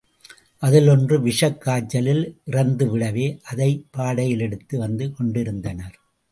அதில் ஒன்று விஷக் காய்ச்சலில் இறந்துவிடவே, அதைப் பாடையில் எடுத்து வந்து கொண்டிருந்தனர்.